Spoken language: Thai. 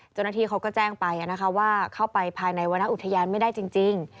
เจ้าหน้าที่เขาก็แจ้งไปว่าเข้าไปภายในวรรณอุทยานไม่ได้จริง